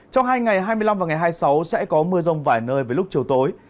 trong hai ngày hai mươi năm và ngày hai mươi sáu sẽ có mưa rông vài nơi với lúc chiều tối